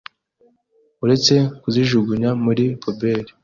uretse kuzijugunya muri puberi